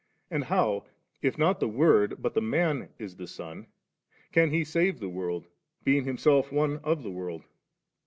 And how, if not the Word but the Man is the Son, can He save the world, being Himself one of the world